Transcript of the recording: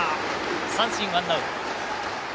三振、ワンアウト。